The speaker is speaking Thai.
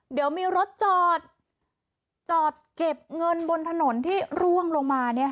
เดี๋ยวมีรถจอดจอดเก็บเงินบนถนนที่ร่วงลงมา